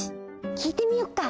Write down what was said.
きいてみよっか。